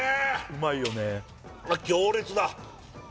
うまいよね強烈だ！